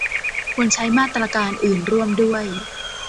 ควรใช้มาตรการอื่นร่วมด้วย